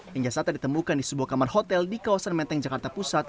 penjasata ditemukan di sebuah kamar hotel di kawasan menteng jakarta pusat